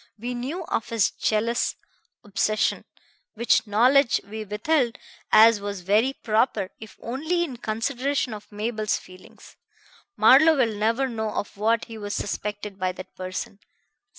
We knew of his jealous obsession; which knowledge we withheld, as was very proper, if only in consideration of Mabel's feelings. Marlowe will never know of what he was suspected by that person.